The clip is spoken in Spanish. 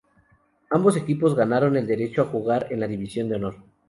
Ambos equipos ganaron el derecho a jugar en la división de honor.